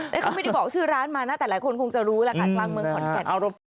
แต่เขาไม่ได้บอกชื่อร้านมานะแต่หลายคนคงจะรู้แล้วค่ะกลางเมืองขอนแก่น